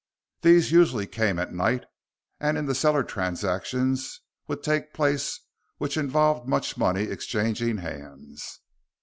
These usually came at night, and in the cellar transactions would take place which involved much money exchanging hands.